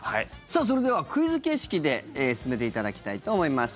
それではクイズ形式で進めていただきたいと思います。